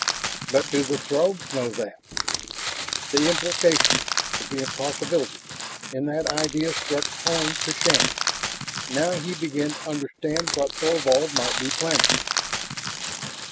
"But do the Throgs know that?" The implications, the possibilities, in that idea struck home to Shann. Now he began to understand what Thorvald might be planning.